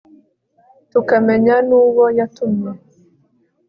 tukamenya n'uwo yatumye